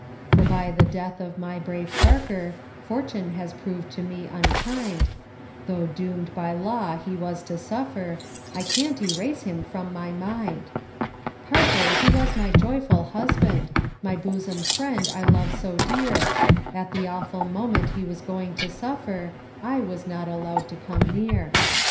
For by the death of my brave Parker, Fortune has proved to me unkind, Tho' doom'd by law he was to suffer I can't erase him from my mind. Parker he was my joyful husband, My bosom friend I love so dear; At the awful moment he was going to suffer I was not allowed to come near.